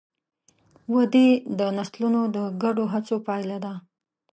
ودې د نسلونو د ګډو هڅو پایله ده.